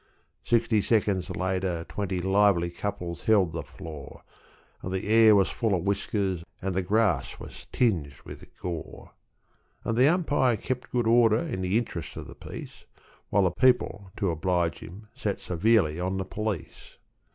Sixty seconds later twenty lively couples held the floor, And the air was full of whiskers, and the grass was tinged with gore, And the umpire kept good order in the interests of peace, Whilst the people, to oblige him, sat severely on the p'lice.